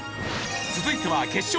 続いては決勝